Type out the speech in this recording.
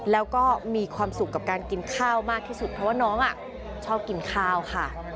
แล้วก็มีความสุขกับการกินข้าวมากที่สุดเพราะว่าน้องชอบกินข้าวค่ะ